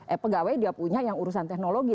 eh pegawai dia punya yang urusan teknologi